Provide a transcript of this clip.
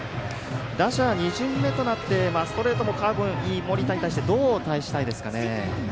打者２巡目となってストレートカーブもいい盛田に対してどう対したいですかね。